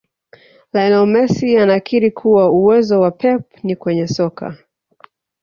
Lionel Messi anakiri kuwa uwezo wa pep ni kwenye soka